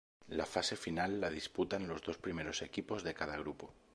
La fase final la disputan los dos primeros equipos de cada grupo.